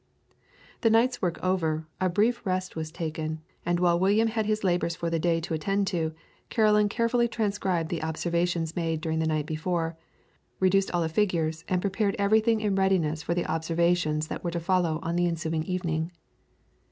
The night's work over, a brief rest was taken, and while William had his labours for the day to attend to, Caroline carefully transcribed the observations made during the night before, reduced all the figures and prepared everything in readiness for the observations that were to follow on the ensuing evening.